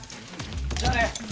じゃあね。